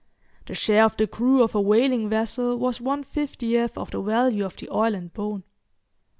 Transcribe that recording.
The share of the crew of a whaling vessel was one fiftieth of the value of the oil and bone.